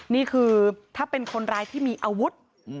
นี่คือถ้าเป็นคนร้ายที่มีอาวุธ